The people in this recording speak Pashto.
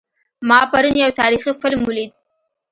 ما پرون یو تاریخي فلم ولید